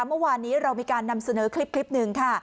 เมื่อวานนี้เรามีการนำเสนอคลิปหนึ่งค่ะ